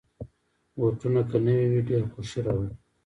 بوټونه که نوې وي، ډېر خوښي راولي.